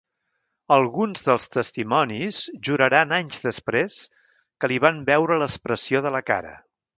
Alguns dels testimonis juraran anys després que li van veure l'expressió de la cara.